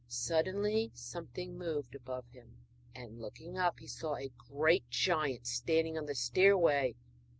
Suddenly, something moved above him, and looking up he saw a great giant standing on the stairway!